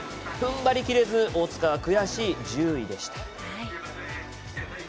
ふんばり切れず大塚は悔しい１０位でした。